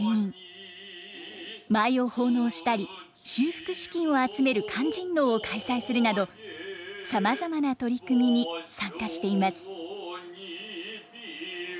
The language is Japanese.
舞を奉納したり修復資金を集める勧進能を開催するなどさまざまな取り組みに参加しています。